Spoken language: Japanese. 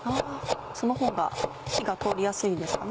その方が火が通りやすいんですかね？